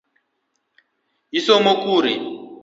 Isomo kure?